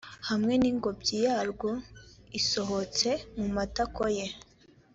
hamwe n’ingobyi yarwo isohotse mu matako ye;